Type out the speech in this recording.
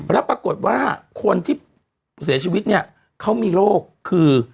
แล้วปรากฏว่าคนที่เสียชีวิตเนี่ยเขามีโรคคือ